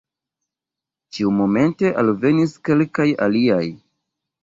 Ĉiumomente alvenis kelkaj aliaj.